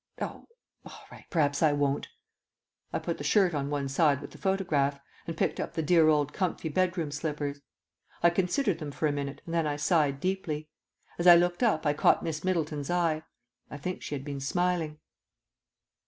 oh, all right, perhaps I won't." I put the shirt on one side with the photograph, and picked up the dear old comfy bedroom slippers. I considered them for a minute and then I sighed deeply. As I looked up I caught Miss Middleton's eye.... I think she had been smiling.